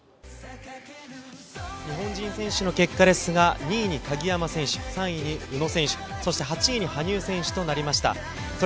日本人選手の結果ですが、２位に鍵山選手、３位に宇野選手、８位に羽生選手となりました。